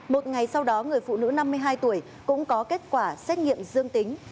một ngày sau đó người phụ nữ năm mươi hai tuổi cũng có kết quả xét nghiệm dương tính